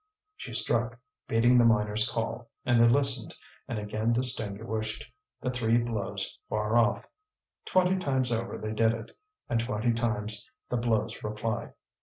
She struck, beating the miner's call; and they listened and again distinguished the three blows far off. Twenty times over they did it, and twenty times the blows replied.